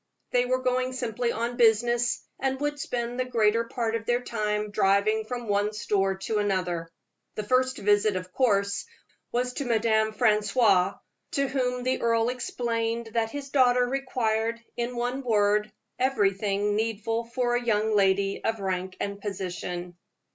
They were going simply on business, and would spend the greater part of their time driving from one store to another. The first visit, of course, was to Madame Francoise, to whom the earl explained that his daughter required, in one word, everything needful for a young lady of rank and position.